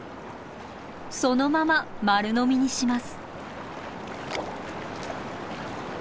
そのまま丸飲みにします。